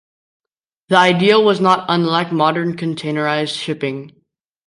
The idea was not unlike modern containerized shipping.